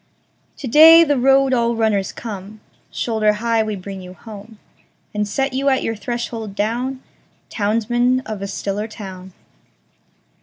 To day, the road all runners come, Shoulder high we bring you home, And set you at your threshold down, Townsman of a stiller town.